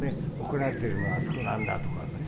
怒られてるのはあそこなんだ」とかね。